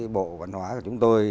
bộ quản hóa của chúng tôi